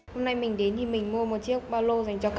hôm nay mình đến thì mình mua một chiếc ba lô dành cho các bạn